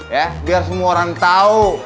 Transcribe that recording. ya biar semua orang tahu